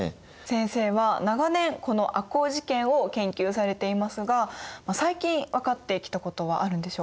先生は長年この赤穂事件を研究されていますが最近分かってきたことはあるんでしょうか？